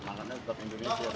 kalau nggak mau turun gimana pak